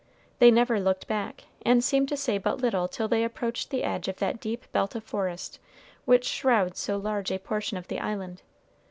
They never looked back, and seemed to say but little till they approached the edge of that deep belt of forest which shrouds so large a portion of the island.